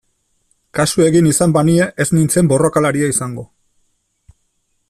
Kasu egin izan banie ez nintzen borrokalaria izango...